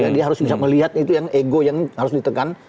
dia harus bisa melihat itu yang ego yang harus ditekan